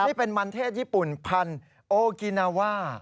นี่เป็นมันเทศญี่ปุ่นพันธุ์โอกินาว่า